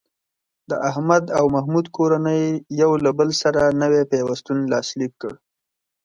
د احمد او محمود کورنۍ یو له بل سره نوی پیوستون لاسلیک کړ.